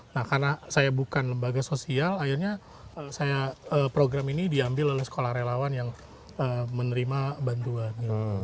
nah karena saya bukan lembaga sosial akhirnya saya program ini diambil oleh sekolah relawan yang menerima bantuan